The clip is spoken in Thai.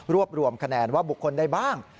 รวมคะแนนว่าบุคคลใดบ้าง